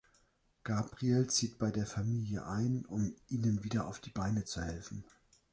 Gabriel zieht bei der Familie ein, um ihnen wieder auf die Beine zu helfen.